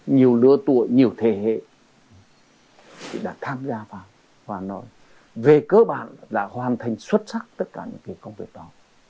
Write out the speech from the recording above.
nhiều lứa tuổi nhiều thế hệ đã tham gia vào và nói về cơ bản đã hoàn thành xuất sắc tất cả những công việc đó